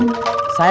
saya memang gak pesen